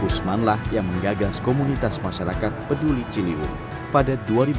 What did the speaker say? usmanlah yang menggagas komunitas masyarakat peduli ciliwung pada dua ribu dua